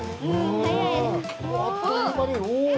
あっという間におぉ！